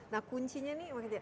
nah kuncinya nih